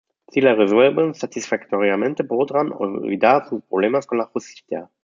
Si la resuelven satisfactoriamente podrán olvidar sus problemas con la justicia.